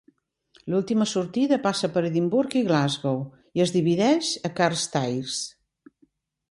L'última sortida passa per Edimburg i Glasgow i es divideix a Carstairs.